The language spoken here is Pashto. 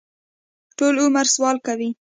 ټول عمر سوال کوي.